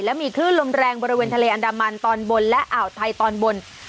และมีคลื่นลมแรงบริเวณทะเลอันดามันตอนบนและอ่าวไทยตอนบน